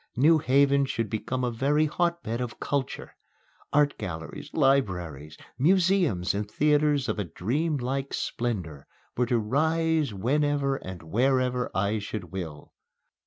New Haven should become a very hotbed of culture. Art galleries, libraries, museums and theatres of a dreamlike splendor were to rise whenever and wherever I should will.